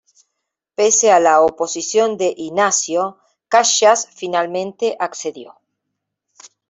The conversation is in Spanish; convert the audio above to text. Pese a la oposición de Inácio, Caxias finalmente accedió.